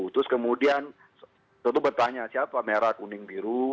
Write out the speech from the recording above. terus kemudian tentu bertanya siapa merah kuning biru